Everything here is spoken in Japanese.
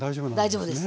大丈夫です。